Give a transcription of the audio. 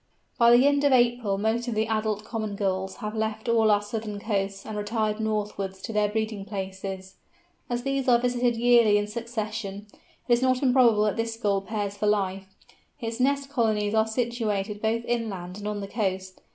By the end of April most of the adult Common Gulls have left all our southern coasts and retired northwards to their breeding places. As these are visited yearly in succession, it is not improbable that this Gull pairs for life. Its nest colonies are situated both inland and on the coast.